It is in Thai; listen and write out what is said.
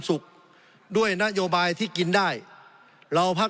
สงบจนจะตายหมดแล้วครับ